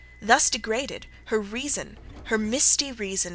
Thus degraded, her reason, her misty reason!